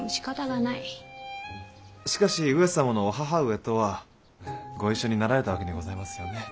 しかし上様のお母上とはご一緒になられたわけにございますよね。